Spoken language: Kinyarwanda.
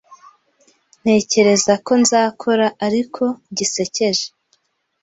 ntekereza ko nzakora ariko gisekeje,